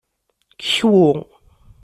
Kwu.